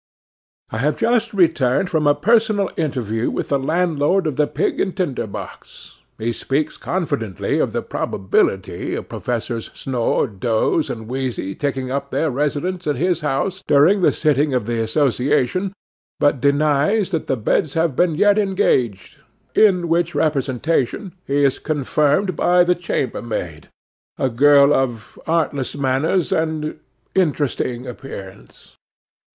I HAVE just returned from a personal interview with the landlord of the Pig and Tinder box. He speaks confidently of the probability of Professors Snore, Doze, and Wheezy taking up their residence at his house during the sitting of the association, but denies that the beds have been yet engaged; in which representation he is confirmed by the chambermaid—a girl of artless manners, and interesting appearance.